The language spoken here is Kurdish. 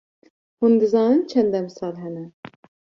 Hûn dizanin çend demsal hene?